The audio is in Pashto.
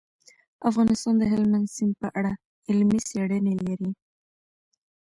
افغانستان د هلمند سیند په اړه علمي څېړنې لري.